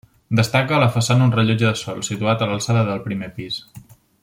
Destaca a la façana un rellotge de sol, situat a l'alçada del primer pis.